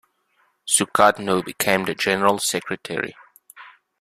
Sukatno became the general secretary.